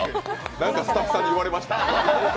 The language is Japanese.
何かスタッフさんに言われました？